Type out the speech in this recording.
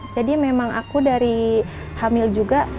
jadi memang aku dari hamil juga